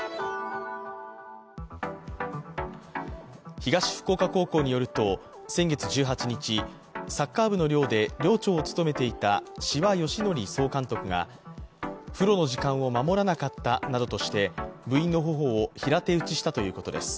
東福岡高校によると先月１８日、サッカー部の寮で寮長を務めていた志波芳則総監督が風呂の時間を守らなかったなどとして部員の頬を平手打ちしたということです。